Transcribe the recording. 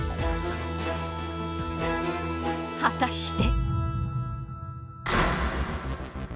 果たして？